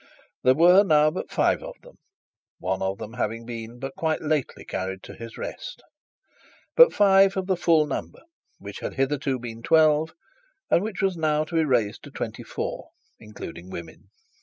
There were now but five of them, one of them not having been but quite lately carried to his rest but five of the full number, which had hitherto been twelve, and which was now to be raised to twenty four, including women.